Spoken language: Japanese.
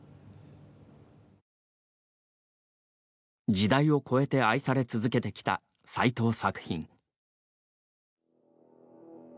時代を超えて愛され続けてきたさいとう作品。